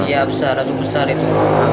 iya besar langsung besar gitu